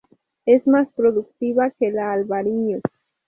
Es más productiva que la albariño.